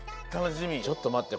ちょっとまって。